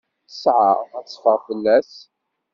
Ttesɛa ad teffeɣ fell-as.